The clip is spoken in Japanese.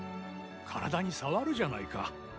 体に障るじゃないか。